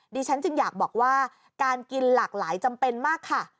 ฉันจึงอยากบอกว่าการกินหลากหลายจำเป็นมากค่ะ